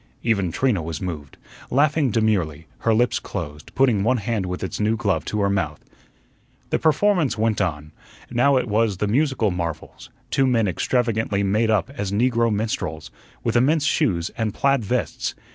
Even Trina was moved, laughing demurely, her lips closed, putting one hand with its new glove to her mouth. The performance went on. Now it was the "musical marvels," two men extravagantly made up as negro minstrels, with immense shoes and plaid vests.